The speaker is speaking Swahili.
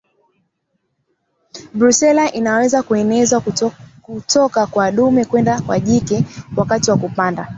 Brusela inaweza kuenezwa kutoka kwa dume kwenda kwa jike wakati wa kupanda